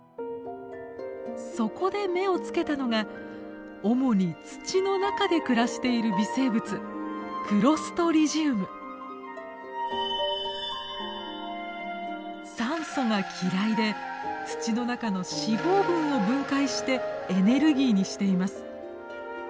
そこで目を付けたのが主に土の中で暮らしている微生物酸素が嫌いで土の中の脂肪分を分解してエネルギーにしています。